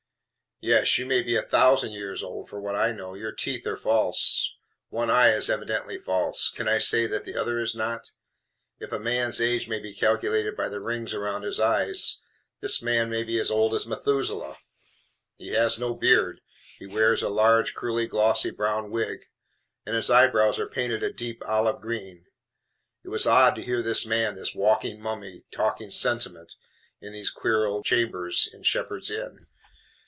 Yes, you may be a thousand years old for what I know. Your teeth are false. One eye is evidently false. Can I say that the other is not? If a man's age may be calculated by the rings round his eyes, this man may be as old as Methuselah. He has no beard. He wears a large curly glossy brown wig, and his eyebrows are painted a deep olive green. It was odd to hear this man, this walking mummy, talking sentiment, in these queer old chambers in Shepherd's Inn.